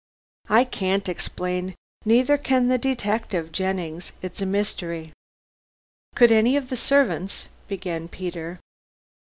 "I can't explain. Neither can the detective Jennings. It's a mystery." "Could any of the servants " began Peter.